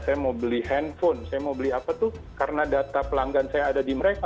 saya mau beli handphone saya mau beli apa tuh karena data pelanggan saya ada di mereka